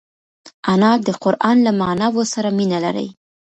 انا د قران له معناوو سره مینه لري